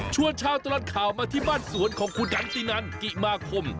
ชาวตลอดข่าวมาที่บ้านสวนของคุณดันตินันกิมาคม